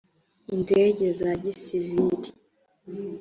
indege za gisivili